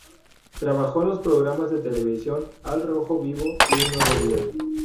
Trabajó en los programas de televisión Al Rojo Vivo y Un Nuevo Día